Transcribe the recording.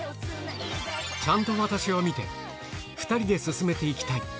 ちゃんと私を見て、２人で進めていきたい。